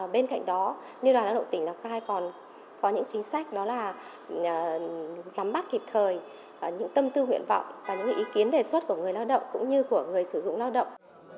bên cạnh đó liên đoàn lao động tỉnh lào cai còn có những chính sách đó là nắm bắt kịp thời những tâm tư nguyện vọng và những ý kiến đề xuất của người lao động cũng như của người sử dụng lao động